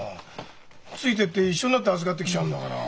ついてって一緒になって預かってきちゃうんだから。